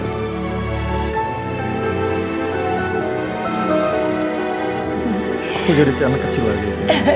aku jadi anak kecil lagi ya